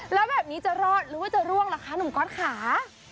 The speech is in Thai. แล้วแบบนี้จะรอดหรือว่าจะร่วงล่ะคะหนุ่มก๊อตค่ะ